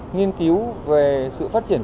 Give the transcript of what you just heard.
nghiên cứu về sự phát triển